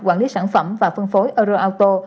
quản lý sản phẩm và phân phối euroauto